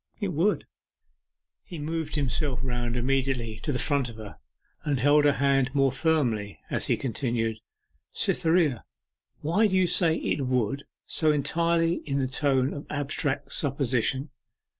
'It would.' He moved himself round immediately to the front of her, and held her hand more firmly, as he continued, 'Cytherea, why do you say "It would," so entirely in the tone of abstract supposition?